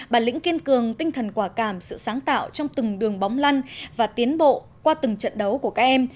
bản lĩnh kiên cường tinh thần quả cảm sự sáng tạo trong từng đường bóng lăn và tiến bộ qua từng trận đấu của các em